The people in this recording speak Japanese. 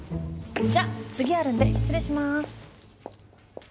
じゃ次あるんで失礼します。